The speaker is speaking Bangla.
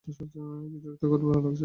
কিছু একটা গড়বড় লাগছে।